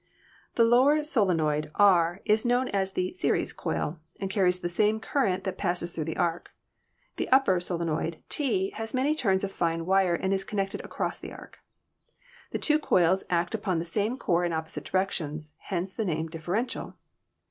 The lower solenoid R is known as 230 ELECTRICITY the "series" coil, and carries the same current that passes through the arc. The upper solenoid T has many turns of fine wire and is connected across the arc. The two coils act upon the same core in opposite directions, hence the name "differential."